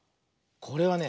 これはね